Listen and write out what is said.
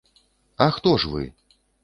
А хто ж вы?